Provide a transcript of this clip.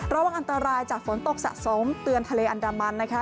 ระวังอันตรายจากฝนตกสะสมเตือนทะเลอันดามันนะคะ